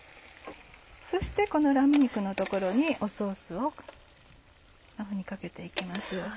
そしてこのラム肉の所にソースをこんなふうにかけて行きます。